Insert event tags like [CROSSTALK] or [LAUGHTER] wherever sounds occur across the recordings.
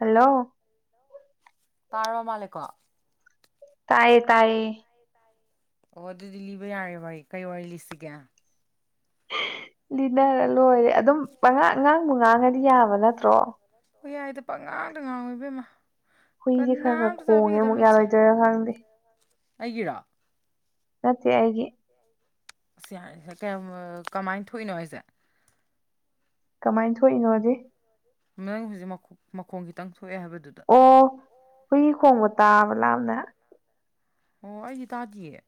hello ꯇꯥꯔꯕ ꯃꯥꯂꯦꯀꯣ ꯇꯥꯌꯦ ꯇꯥꯏꯌꯦ ꯑꯣ ꯑꯗꯨꯗꯤ ꯂꯤꯕ ꯌꯥꯔꯦ ꯋꯥꯏ ꯀꯩ ꯋꯥꯔꯤ ꯂꯤꯁꯤꯒꯦ ꯂꯤꯅꯔ ꯂꯣꯏꯔꯦ ꯑꯗꯨꯝꯥꯡ ꯑꯉꯥꯡꯕꯨ ꯉꯥꯡꯉꯗꯤ ꯌꯥꯕ ꯅꯠꯇ꯭ꯔꯣ ꯍ ꯌꯥꯏꯗ ꯄ ꯉꯥꯡꯗ ꯉꯥꯡꯉꯣꯏꯕ ꯑꯃ ꯍꯨꯏꯗꯤꯦ ꯈꯔ ꯈꯔ ꯈꯣꯡꯉꯦ ꯑꯃꯨꯛ ꯌꯥꯔꯣꯏꯗꯣꯏꯔꯥ ꯈꯥꯡꯗꯦ ꯑꯩꯒꯤꯔ ꯁꯠꯇ ꯍꯥꯏ ꯑꯩꯒꯤ ꯁꯤ ꯌꯥꯔꯤꯁꯦ ꯀꯃꯥꯏꯅ ꯊꯣꯛꯏꯅꯣ ꯑꯩꯁꯦ ꯀꯃꯥꯏꯅ ꯊꯣꯛꯏꯅꯣꯗꯤ ꯅꯪ ꯍꯧꯖꯤꯛ ꯃꯈꯣꯡ ꯈꯤꯇꯪ ꯁꯣꯛꯑꯦ ꯍꯥꯏꯕꯗꯨꯗ ꯍꯨꯏ ꯈꯣꯡꯕ ꯇꯥꯕ ꯂꯥꯝꯅ ꯑꯣ ꯑꯩꯗꯤ ꯇꯥꯗꯌꯦ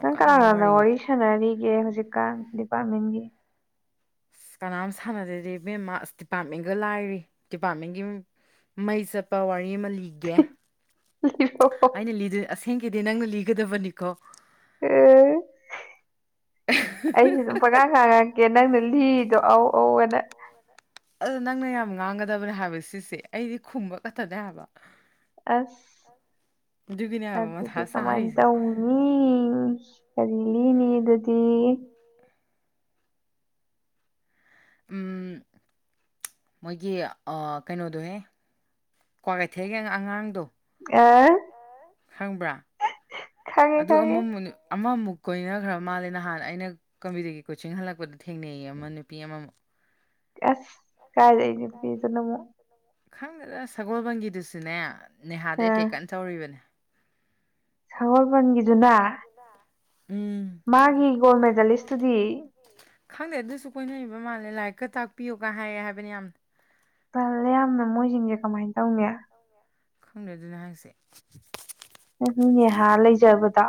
ꯅꯪ ꯀꯅꯥ ꯅ ꯑꯣꯔꯁꯅ ꯅꯒ ꯖꯤꯀꯥ ꯄꯥ ꯃꯦꯟꯒꯤ ꯀꯅꯥꯝ ꯁꯥꯟꯅꯗꯦꯗꯤ ꯃꯦꯝ ꯃꯥꯁ ꯗꯤꯄꯥꯔꯠꯃꯦꯟꯒ ꯂꯥꯏꯔꯤ ꯗꯤꯄꯥꯔꯠꯃꯦꯟꯒꯤ ꯃꯩ ꯆꯠꯄ ꯋꯥꯔꯤ ꯑꯃ ꯂꯤꯒꯦ [UNINTELLIGIBLE] ꯊꯦꯡꯒꯤꯗꯤ ꯅꯪꯅ ꯂꯤꯒꯗꯕꯅꯤꯀꯣ ꯎꯝ ꯑꯩꯁꯨ ꯑꯗꯨꯝ ꯄꯀꯥꯟ ꯈꯥꯡꯉꯛꯀꯦ ꯅꯪꯅ ꯂꯤꯗꯣ ꯑꯧ ꯑꯧ ꯑꯅ ꯑꯗ ꯅꯪꯅ ꯌꯥꯝ ꯉꯥꯡꯒꯗꯕꯅꯦ ꯍꯥꯏꯕ ꯁꯤꯁꯦ ꯑꯩꯗꯤ ꯈꯨꯝꯕ ꯈꯛꯇꯅꯦ ꯍꯥꯏꯕ ꯑꯁ ꯑ ꯑꯗꯨꯗꯤ ꯀꯃꯥꯏꯅ ꯇꯧꯅꯤ ꯀꯔꯤ ꯂꯤꯅꯦ ꯑꯗꯨꯗꯤ ꯃꯣꯏꯒꯤ ꯀꯩꯅꯣꯗꯣꯍꯦ ꯀ꯭ꯋꯥꯀꯩꯊꯦꯜꯒꯤ ꯑꯉꯥꯡꯗꯣ ꯑ ꯈꯪꯕ꯭ꯔꯥ ꯑꯗꯨ ꯑꯃ ꯑꯃꯃꯨꯛ ꯀꯣꯏꯅꯈ꯭ꯔꯕ ꯃꯥꯜꯂꯦ ꯅꯍꯥꯟ ꯑꯩꯅ ꯀꯝꯄ꯭ꯌꯨꯇꯔꯒꯤ ꯀꯣꯆꯤꯡ ꯍꯜꯂꯛꯄꯗ ꯊꯦꯡꯅꯩ ꯑꯃ ꯅꯨꯄꯤ ꯑꯃ ꯑꯁ ꯀꯥꯏ ꯂꯩꯅꯤꯗꯨꯅꯃ ꯈꯪꯗ꯭ꯔꯥ ꯁꯒꯣꯜꯕꯥꯡꯒꯤꯗꯨꯁꯨꯅꯦ ꯅꯦꯍꯥꯗ ꯑꯦꯇꯦꯛ ꯀꯟꯅ ꯇꯧꯔꯤꯕꯅꯦ ꯁꯒꯣꯜꯕꯟꯒꯤꯗꯨꯅ ꯃꯥꯒꯤ ꯒꯣꯜ ꯃꯦꯗꯂꯤꯁꯇꯨꯗꯤ ꯈꯪꯗꯦ ꯑꯗꯨꯁꯨ ꯀꯣꯏꯅꯔꯤꯕ ꯃꯥꯜꯂꯦ ꯂꯥꯏꯔꯤꯛꯀ ꯇꯥꯛꯄꯤꯌꯨꯒ ꯍꯥꯏꯌꯦꯦ ꯍꯥꯏꯕꯅꯤ ꯌꯥꯝꯅ ꯄꯜꯂꯦ ꯌꯥꯝꯅ ꯃꯣꯏꯁꯤꯡꯁꯦ ꯀꯃꯥꯏꯅ ꯇꯧꯅꯤ ꯈꯪꯅꯗꯨꯅꯍꯥꯛꯁꯦ ꯅꯪꯒꯤꯅꯦꯍꯥ ꯂꯩꯖꯕꯗ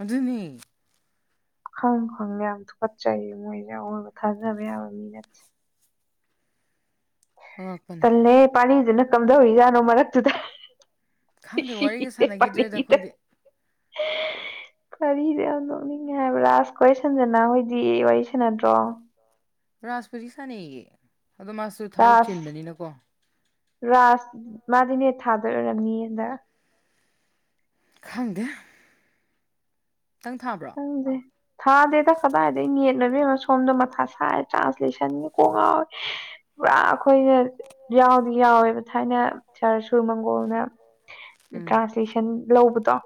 ꯑꯗꯨꯅꯤ ꯈꯪ ꯈꯪ ꯃꯌꯥꯝ ꯊ ꯀꯠꯆꯥꯏꯌꯦ ꯃꯣꯏ ꯑꯣꯏꯕ ꯊꯥꯖꯕ ꯃꯤꯅꯠ ꯇꯜꯦ ꯄꯅꯤꯖꯅ ꯀꯝꯗꯧ ꯏꯖꯥꯅꯣ ꯃꯔꯔꯛ ꯇꯨꯗ ꯈꯪꯗꯦ ꯋꯥꯔꯤꯒ ꯁꯥꯟꯅꯈꯤꯗ꯭ꯔꯦꯗ ꯑꯩꯈꯣꯏꯗꯤ ꯀꯔꯤꯗꯤ ꯌꯥꯝ ꯅꯣꯛꯅꯤꯡꯉꯦ ꯍꯥꯏꯕ ꯔꯥꯥꯁ ꯀꯣꯏꯁꯟꯗꯅ ꯍꯈꯣꯏꯗꯤ ꯋꯥꯔꯤ ꯁ ꯅꯗ꯭ꯔꯣ ꯔꯥꯁ ꯄꯔꯤꯁꯅꯤꯌꯦ ꯑꯗꯣ ꯃꯥꯁꯨ ꯊꯕꯛ ꯆꯤꯟꯕꯅꯤꯅꯀꯣ ꯔꯥꯁ ꯃꯥꯗꯤꯅꯦ ꯊꯥꯗꯣꯛꯔꯝꯅꯤꯗ ꯈꯪꯗꯦ ꯍꯪꯗꯦ ꯊꯥꯗꯦꯗ ꯀꯗꯥꯏꯗꯒꯤꯩ ꯌꯦꯠꯅꯕꯤꯕ ꯁꯣꯝꯗ ꯥꯏ ꯇ꯭ꯔꯥꯟꯁꯂꯁꯟ ꯀꯣꯉ ꯔ ꯑꯩꯈꯣꯏꯅ ꯌꯥꯎꯗꯤ ꯌꯥꯎꯋꯦꯕ ꯊꯥꯏꯅ ꯁꯥꯔ ꯁꯨꯔ ꯃꯪꯒꯣꯜꯅ ꯇ꯭ꯔꯥꯟꯁꯂꯦꯁꯟ ꯂꯧꯕꯗꯣ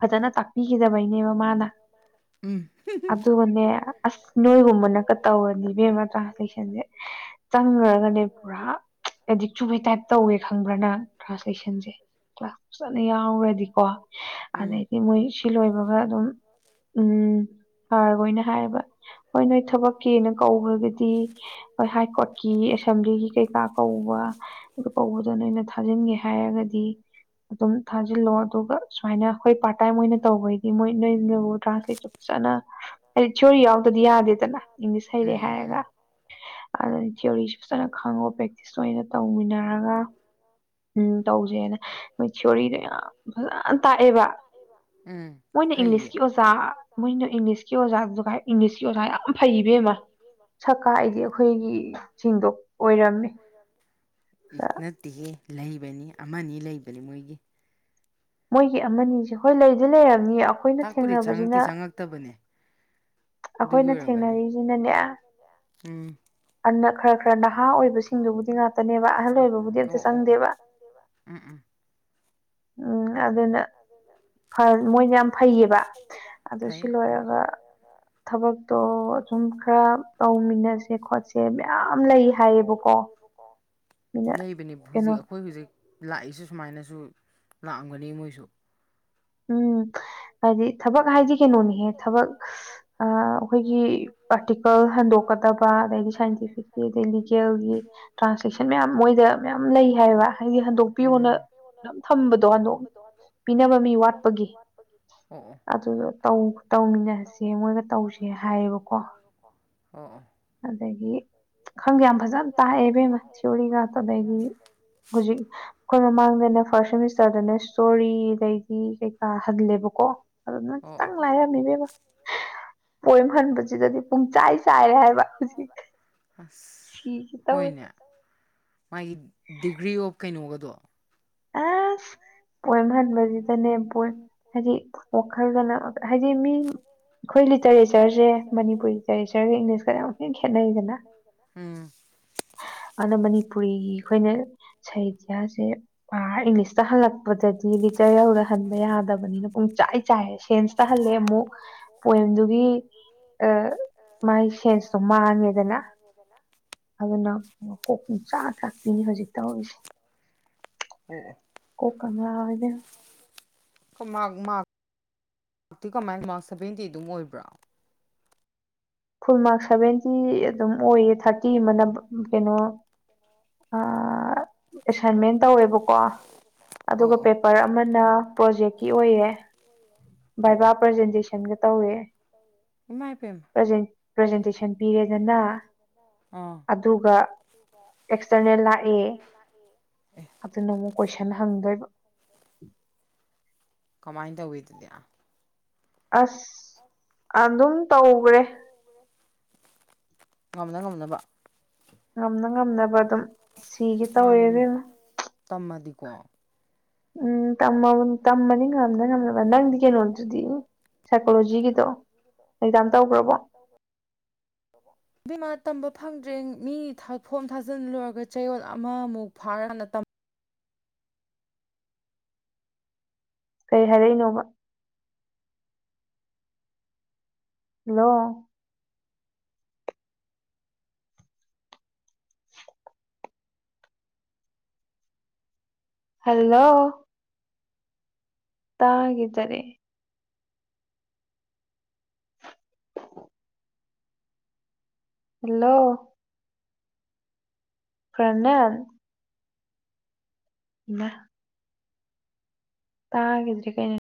ꯐꯖꯅ ꯇꯥꯛꯄꯤꯈꯤꯗꯕ ꯃꯥꯅ ꯑꯗꯨꯒꯅꯦ ꯑꯁ ꯅꯣꯏꯒꯨꯝꯕꯅꯀ ꯇꯧꯔꯅꯤꯕꯦꯝꯃ ꯇ꯭ꯔꯥꯟꯂꯦꯛꯁꯟꯁꯦ ꯆꯪ ꯄꯨꯔꯥ ꯑꯦꯗꯤꯛ ꯆꯨꯕꯩ ꯇꯥꯏꯞ ꯇꯧꯋꯦ ꯈꯪꯕ꯭ꯔꯥꯅ ꯇ꯭ꯔꯥꯟꯁꯂꯦꯁꯟꯁꯦ ꯀ꯭ꯂꯥꯁ ꯐꯖꯅ ꯌꯥꯎꯔꯗꯤꯀꯣ ꯑꯗꯩꯗꯤ ꯃꯣꯏ ꯁꯤ ꯂꯣꯏꯕ ꯑꯗꯨꯝ ꯎꯝ ꯐꯔꯈꯅ ꯍꯥꯏꯕ ꯍꯣꯏ ꯅꯣꯏ ꯊꯕꯛꯀꯤꯅ ꯀꯧꯕꯒꯗꯤ ꯍꯣꯏ ꯍꯥꯏ ꯀꯣꯔꯠꯀꯤ ꯀꯩꯀꯥ ꯀꯧꯕ ꯑꯗꯨ ꯀꯧꯕꯗꯨ ꯅꯣꯏꯩꯅ ꯊꯥꯖꯤꯟꯒꯦ ꯍꯥꯏꯔꯒꯗꯤ ꯑꯗꯨꯝ ꯊꯥꯖꯤꯜꯂꯣ ꯑꯗꯨꯒ ꯁꯨꯃꯥꯏꯅ ꯑꯩꯈꯣꯏ ꯄꯥꯔꯠ ꯇꯥꯏꯝ ꯑꯣꯏꯅ ꯇꯧꯕꯩ ꯃꯣꯏ ꯅꯣꯏꯅꯕꯨ ꯇ꯭ꯔꯥꯟꯁꯂꯦꯠ ꯐꯖꯅ ꯍꯥꯏꯗꯤ ꯊꯤꯑꯣꯔꯤ ꯌꯥꯎꯗꯗꯤ ꯌꯥꯗꯦꯗꯅ ꯏꯪꯂꯤꯁ ꯍꯩꯔꯦ ꯍꯥꯏꯔꯒ ꯑꯗꯨ ꯊꯤꯌꯑꯣꯔꯤꯁꯤ ꯐꯖꯅ ꯈꯪꯉꯣ ꯄ꯭ꯔꯦꯛꯇꯤꯁ ꯑꯣꯏꯅ ꯇꯧꯃꯤꯟꯅꯔꯒ ꯎꯝ ꯇꯧꯁꯦꯅ ꯃꯣꯏ ꯊꯤꯑꯣꯣꯔꯤꯗꯣ ꯌꯥꯝ ꯐꯖꯅ ꯇꯥꯛꯑꯦꯕ ꯃꯣꯏꯅ ꯏꯪꯂꯤꯁꯀꯤ ꯑꯣꯖꯥ ꯃꯣꯏꯅ ꯏꯪꯂꯤꯁꯀꯤ ꯑꯣꯖꯥꯁꯨꯥꯏ ꯏꯪꯂꯤꯁꯀꯤ ꯑꯣꯖꯥ ꯌꯥꯝ ꯐꯩꯕ ꯑꯃ ꯁꯛꯀꯥꯏꯥꯏꯗꯤ ꯑꯩꯈꯣꯏꯒꯤ ꯁꯤꯡꯗꯣ ꯑꯣꯏꯔꯝꯃꯤ ꯂꯩꯕꯅꯤ ꯑꯃꯅꯤ ꯂꯩꯕꯅꯤ ꯃꯣꯏꯒꯤ ꯃꯣꯏꯒꯤ ꯑꯃꯅꯤꯁꯦ ꯍꯣꯏ ꯂꯩꯗꯤ ꯂꯩꯔꯕ ꯑꯩꯈꯣꯏꯅ ꯊꯦꯡꯅꯕꯁꯤꯅ ꯑꯩꯈꯣꯏꯅ ꯊꯦꯡꯅꯔꯤꯁꯤꯅꯅꯦ ꯈꯔ ꯈꯔ ꯅꯍꯥ ꯑꯣꯏꯕꯁꯤꯡꯗꯨꯕꯨꯗꯤ ꯉꯥꯛꯇꯅꯦꯕ ꯑꯍꯜ ꯑꯣꯏꯕꯕꯨꯗꯤ ꯑꯝꯇ ꯆꯪꯗꯦꯕ ꯑꯣ ꯂꯩꯕꯅꯤ ꯍꯧꯖꯤꯛ ꯑꯩꯈꯣꯏ ꯍꯧꯖꯤꯛ ꯂꯥꯛꯏꯁꯨ ꯁꯨꯃꯥꯏꯅꯁꯨ ꯂꯥꯛꯑꯝꯒꯅꯤ ꯃꯣꯏꯁꯨ ꯎꯝ ꯍꯥꯏꯗꯤ ꯊꯕꯛ ꯍꯥꯏꯗꯤ ꯀꯩꯅꯣꯅꯤꯍꯦ ꯊꯕꯛ ꯑꯩꯈꯣꯏꯒꯤ ꯑꯥꯔꯇꯤꯀꯜ ꯍꯟꯗꯣꯛꯀꯗꯕ ꯑꯗꯩꯗꯤ ꯁꯥꯏꯟꯇꯤꯐꯤꯛꯀꯤ ꯑꯗꯩ ꯂꯤꯒꯦꯜꯒꯤ ꯇ꯭ꯔꯥꯟꯁꯂꯦꯛꯁꯟ ꯃꯌꯥꯝ ꯃꯣꯏꯗ ꯃꯌꯥꯝ ꯂꯩ ꯍꯥꯏꯕ ꯍꯥꯏꯗꯤ ꯍꯟꯗꯣꯛꯄꯤꯌꯣꯅ ꯑꯗꯨ ꯊꯝꯕꯗꯣ ꯍꯟꯗꯣꯛ ꯄꯤꯅꯕ ꯃꯤ ꯋꯥꯠ ꯋꯥꯄ ꯑꯗꯨꯗꯣ ꯇꯧꯃꯤꯟꯅꯁꯦ ꯃꯣꯏꯒ ꯇꯧꯁꯦ ꯍꯥꯏꯌꯦꯕꯀꯣ ꯑꯗꯒꯤ ꯈꯪꯗꯦ ꯌꯥꯝ ꯐꯖꯅ ꯇꯥꯛꯑꯦꯕꯦꯝꯃ ꯊꯤꯌꯣꯔꯤ ꯉꯥꯛꯇ ꯑꯩꯗꯒꯤ ꯍꯧꯖꯤꯛ ꯑꯩꯈꯣꯏ ꯃꯃꯥꯡꯗꯅ ꯐꯥꯔꯁ ꯁꯦꯃꯤꯁꯇꯔꯗꯅ ꯏꯁꯇꯣꯔꯤ ꯑꯗꯩꯗꯒꯤ ꯀꯩꯀꯥ ꯍꯜꯂꯦꯕꯀꯣ ꯀꯣ ꯑꯗꯨꯅꯪ ꯈꯤꯇꯪ ꯂꯥꯏꯔꯝꯃꯤꯅꯦꯕ ꯄꯣꯏꯝ ꯍꯟꯕꯁꯤꯗꯗꯤ ꯄꯨꯡꯆꯥꯏ ꯆꯥꯏꯔꯦ ꯍꯥꯏꯕ ꯁꯤ ꯇ ꯍꯣꯏ ꯃꯥꯒꯤ ꯗꯤꯒ꯭ꯔꯤ ꯑꯣꯐ ꯀꯩꯅꯣꯒꯗꯣ ꯑꯁ ꯄꯣꯏꯝ ꯍꯟꯕꯁꯤꯗꯅꯦ ꯄꯣꯏ ꯍꯥꯏꯗꯤ ꯋꯥꯈꯜꯗꯅ ꯍꯥꯏꯗꯤ ꯃꯤ ꯑꯩꯈꯣꯏ ꯂꯤꯇꯔꯦꯆꯔꯁꯦ ꯃꯅꯤꯄꯨꯔꯤ ꯂꯤꯇꯔꯦꯆꯔꯁꯦ ꯏꯪꯂꯤꯁꯀ ꯌꯥꯝ ꯍꯅ ꯈꯦꯠꯅꯩꯗꯅ ꯑꯗꯨꯅ ꯃꯅꯤꯄꯨꯔꯤꯒꯤ ꯑꯩꯈꯣꯏꯅ ꯁꯍꯤꯇ꯭ꯌꯥꯁꯦ ꯑ ꯏꯪꯂꯤꯁꯇ ꯍꯜꯂꯛꯄꯗꯗꯤ ꯂꯤꯇꯔꯦꯜꯗ ꯍꯟꯕ ꯌꯥꯗꯕꯅꯤꯅ ꯄꯨꯡ ꯆꯥꯏ ꯆꯥꯏꯔꯦ ꯁꯦꯟꯁꯇ ꯍꯜꯂꯦ ꯑꯃꯨꯛ ꯄꯣꯏꯦꯝꯗꯨꯒꯤ ꯃꯥꯥꯏ ꯁꯦꯟꯁꯇꯣ ꯃꯥꯡꯉꯦꯗꯅ ꯑꯗꯨꯅ ꯀꯣꯀ ꯆꯥꯛ ꯆꯥꯛꯄꯤꯤꯅꯤ ꯍꯧꯖꯤꯛ ꯇꯧꯔꯤꯁꯦ ꯀꯣꯛꯀꯟ ꯗ ꯃꯥꯔꯛ ꯃꯥꯔꯛꯇꯤ ꯀꯃꯥꯏꯅ ꯃꯥꯔꯛ ꯁꯚꯦꯟꯇꯤ ꯑꯗꯨꯝ ꯑꯣꯏꯕ꯭ꯔꯥ ꯐꯨꯜ ꯃꯥꯔꯛ ꯁꯚꯦꯟꯇꯤ ꯑꯗꯨꯝ ꯑꯣꯏꯌꯦ ꯊꯥꯔꯇꯤ ꯃ ꯀꯩꯅꯣ ꯑ ꯑꯁꯥꯏꯟꯃꯦꯟ ꯇꯧꯋꯦꯕꯀꯣ ꯑꯗꯨꯒ ꯄꯦꯄꯔ ꯑꯃꯅ ꯄ꯭ꯔꯣꯖꯦꯛꯀꯤ ꯑꯣꯏꯌꯦ ꯕꯥꯏꯕꯥ ꯄ꯭ꯔꯖꯦꯟꯇꯦꯁꯟꯒ ꯇꯧꯋꯦ ꯄ꯭ꯔꯖꯦꯟꯇꯦꯁꯟ ꯄꯤꯔꯦꯗꯅ ꯑꯗꯨꯒ ꯑꯦꯛꯁꯇꯔꯅꯦꯜ ꯂꯥꯛꯑꯦ ꯑꯗꯨꯅ ꯑꯃꯨꯛ ꯀꯣꯏꯁꯟ ꯍꯪꯗꯣꯏꯕ ꯀꯃꯥꯏꯅ ꯇꯧꯋꯤꯗꯗꯤ ꯑꯁ ꯑ ꯑꯗꯨꯝ ꯇꯧꯈ꯭ꯔꯦ ꯉꯝꯅ ꯉꯝꯅꯕ ꯉꯝꯅ ꯉꯝꯅꯕ ꯑꯗꯨꯝ ꯁꯤꯒ ꯇ ꯑꯣꯏꯌꯦꯒ ꯀꯣ ꯎꯝ ꯇꯃ ꯇꯝꯃꯅꯤ ꯉꯝꯗ ꯉꯝꯂꯝꯕ ꯅꯪꯗꯤ ꯀꯩꯅꯣꯗꯨꯗꯤ ꯁꯥꯏꯀꯣꯂꯣꯖꯤꯒꯤꯗꯣ ꯑꯦꯛꯖꯥꯝ ꯇꯧꯕ꯭ꯔꯕꯣ ꯇꯝꯕ ꯐꯪꯗ꯭ꯔꯦ ꯃꯤ ꯐꯣꯝ ꯊꯥꯖꯤꯜꯂꯨꯔꯒ ꯆꯌꯣꯜ ꯑꯃꯃꯨꯛ ꯐꯥꯔꯥꯟꯅ ꯇ ꯀꯩ ꯍꯥꯏꯔꯛꯏꯅꯣꯕ ꯍꯜꯂꯣ ꯍꯂꯣ ꯇꯥꯒꯔꯦ ꯍꯜꯂꯣ ꯄꯅꯟ [INAUDIBLE] ꯇꯥꯒꯗ꯭ꯔꯤ ꯀꯩꯅꯦ